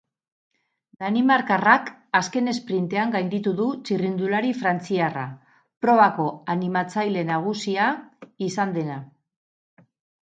Danimarkarrak azken esprintean gainditu du txirrindulari frantziarra, probako animatzaile nagusia izan dena.